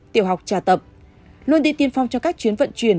tiểu học trà tập luôn đi tiên phong cho các chuyến vận chuyển